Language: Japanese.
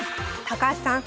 高橋さん